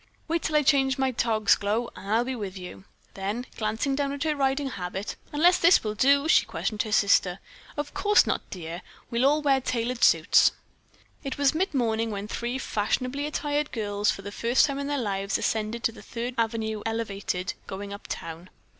Wait until I change my togs, Glow, and I'll be with you." Then, glancing down at her riding habit, "Unless this will do?" she questioned her sister. "Of course not, dear. We'll all wear tailored suits." It was midmorning when three fashionably attired girls for the first time in their lives ascended to the Third Avenue Elevated, going uptown.